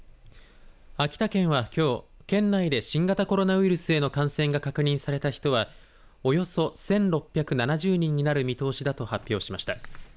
秋田県は、きょう県内で新型コロナウイルスへの感染が確認された人はおよそ１６７０人になる見通しだと発表しました。